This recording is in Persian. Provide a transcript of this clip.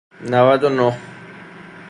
نود و نه